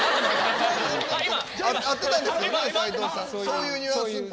そういうニュアンスって。